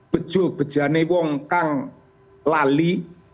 bejo bejane wongkang lali